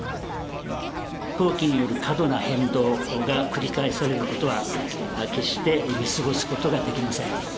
投機による過度な変動が繰り返されることは決して見過ごすことができません。